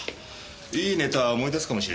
いいネタ思い出すかもしれねえ。